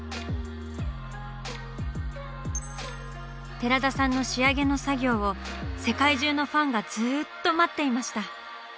寺田さんの仕上げの作業を世界中のファンがずっと待っていました。